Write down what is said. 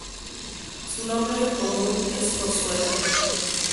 Su nombre común es corzuela.